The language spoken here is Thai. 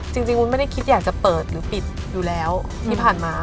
วุ้นไม่ได้คิดอยากจะเปิดหรือปิดอยู่แล้วที่ผ่านมา